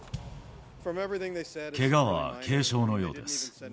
けがは軽傷のようです。